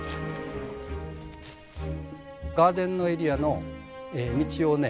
ガーデンのエリアの道をね